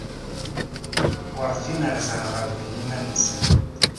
Werǧin rzan ɣer din iman-nsen.